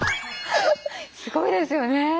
すごいですよね。